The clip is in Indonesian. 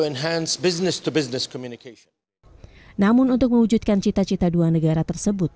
namun untuk mewujudkan cita cita dua negara tersebut